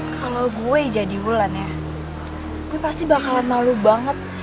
kalau gue jadi bulan ya gue pasti bakalan malu banget